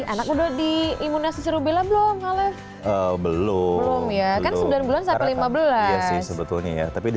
anak muda di imunisasi rubella belum ales belum ya kan sembilan bulan sampai lima belas sebetulnya ya tapi di